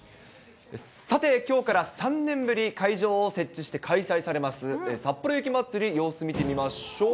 さて、きょうから３年ぶり、会場を設置して開催されます、さっぽろ雪まつり、様子見てみましょう。